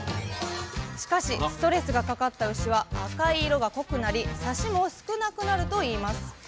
しかしストレスがかかった牛は赤い色が濃くなりサシも少なくなるといいます。